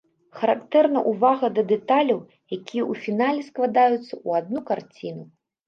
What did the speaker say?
Характэрна ўвага да дэталяў, якія ў фінале складаюцца ў адну карціну.